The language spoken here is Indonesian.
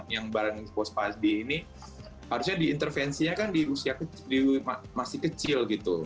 yang barang hipospadia ini harusnya intervensinya di usia masih kecil